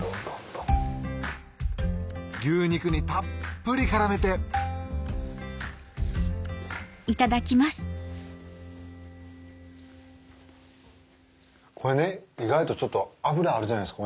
牛肉にたっぷり絡めてこれね意外とちょっと脂あるじゃないですか。